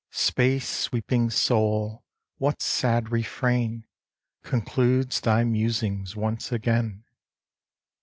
Space sweeping soul, what sad refrain Concludes thy musings once again?